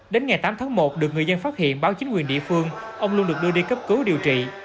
đến ngày tám tháng một được người dân phát hiện báo chính quyền địa phương ông luân được đưa đi cấp cứu điều trị